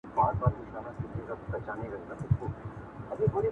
لکه ټرمپ او رښتیا ویل